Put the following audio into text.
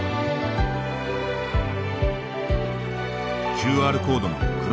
ＱＲコードのクロ